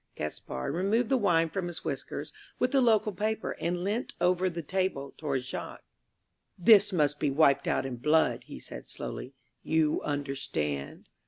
Gaspard removed the wine from his whiskers with the local paper and leant over the table towards Jacques. "This must be wiped out in blood," he said slowly. "You understand?"